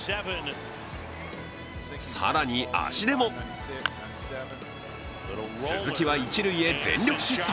更に足でも鈴木は一塁へ全力疾走。